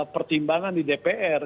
pertimbangan di dpr